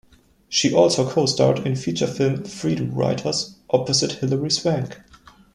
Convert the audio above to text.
She also co-starred in feature film "Freedom Writers" opposite Hilary Swank.